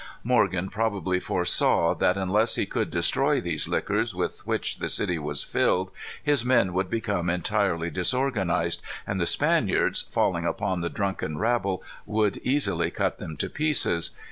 Morgan probably foresaw that unless he could destroy these liquors, with which the city was filled, his men would become entirely disorganized, and the Spaniards, falling upon the drunken rabble, would easily cut them to pieces.